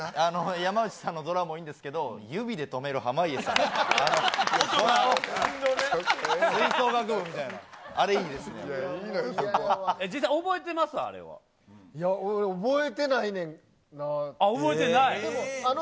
山内さんのドラもいいんですけど、指で止める濱家さんのあの。